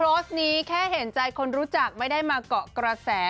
โพสต์นี้แค่เห็นใจคนรู้จักไม่ได้มาเกาะกระแส